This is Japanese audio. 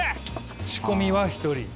仕込みは一人？